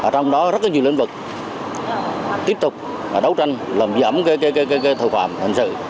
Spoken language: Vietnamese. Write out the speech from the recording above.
trong đó rất nhiều lĩnh vực tiếp tục đấu tranh làm giảm tội phạm hành sự